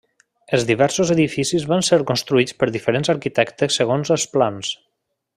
Els diversos edificis van ser construïts per diferents arquitectes segons els plans.